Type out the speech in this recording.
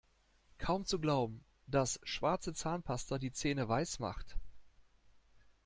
Kaum zu glauben, dass schwarze Zahnpasta die Zähne weiß macht!